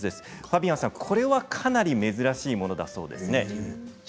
ファビアンさん、これはかなり珍しいものだそうですね。